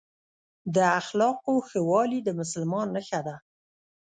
د اخلاقو ښه والي د مسلمان نښه ده.